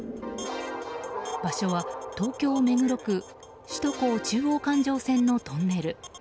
場所は東京・目黒区首都高中央環状線のトンネル。